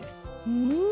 うん！